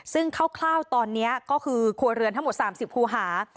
ซึ่งคร่าวตอนนี้ก็คือครัวเรือนทั้งหมด๓๐คูหา